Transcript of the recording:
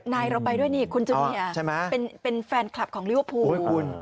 นายเราไปด้วยนี่คุณจุ่มีะเป็นแฟนคลับของภูมิ